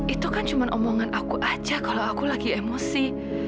itu kan cuma omongan aku aja kalau aku lagi emosi